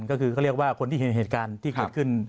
ก็คือเขาเรียกว่าคนที่เห็นเหตุการณ์ที่เกิดขึ้น